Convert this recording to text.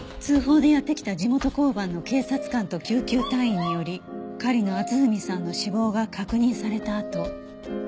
通報でやって来た地元交番の警察官と救急隊員により狩野篤文さんの死亡が確認されたあと。